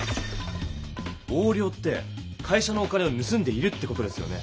横領って会社のお金をぬすんでいるって事ですよね。